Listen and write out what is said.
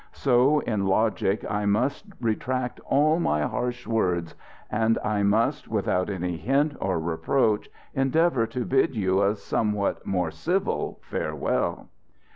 So in logic I must retract all my harsh words; and I must, without any hint or reproach, endeavour to bid you a somewhat more civil farewell."